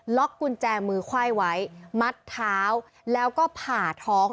กุญแจมือไขว้ไว้มัดเท้าแล้วก็ผ่าท้อง